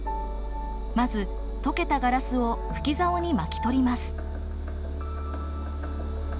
まず溶けたガラスを吹きざおに巻き取ります。